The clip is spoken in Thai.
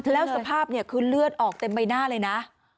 แล้วสภาพเนี่ยคือเลือดออกเต็มใบหน้าเลยนะ